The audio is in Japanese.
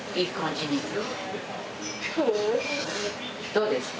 どうですか？